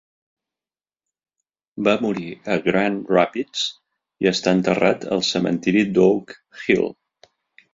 Va morir a Grand Rapids i està enterrat al cementiri d'Oak Hill.